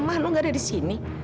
mano nggak ada di sini